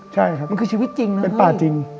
ใช่ค่ะมันคือชีวิตจริงนะ